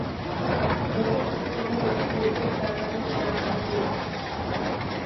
دوستلۇق ئۈچۈن ئۇنىڭ ئوتلۇق يۈرىكى، ساداقەتنىڭ پىراقىدا كۆيەتتى.